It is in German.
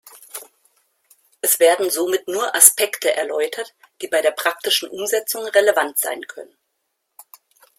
Es werden somit nur Aspekte erläutert, die bei der praktischen Umsetzung relevant sein können.